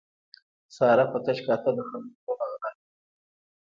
ساره په تش کاته د خلکو زړونه غلا کوي.